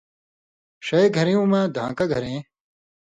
ݜَیں گھریُوں مہ دھان٘کہ گھرېں